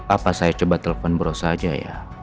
apa saya coba telepon bro saja ya